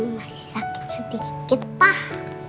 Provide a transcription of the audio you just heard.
masih sakit sedikit pah